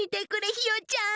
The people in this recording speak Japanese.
ひよちゃん。